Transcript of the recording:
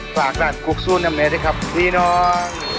ฝากลาดกกสู้นำเนชักครับดีเนาะ